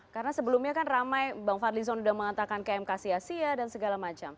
karena sebelumnya kan ramai bang fadlinson sudah mengatakan kmk sia sia dan segala macam